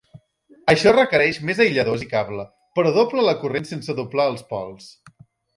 Això requereix més aïlladors i cable, però dobla la corrent sense doblar els pols.